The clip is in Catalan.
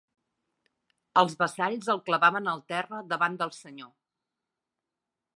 Els vassalls el clavaven al terra davant del senyor.